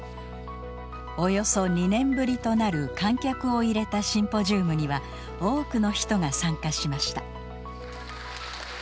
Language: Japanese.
およそ２年ぶりとなる観客を入れたシンポジウムには多くの人が参加しました。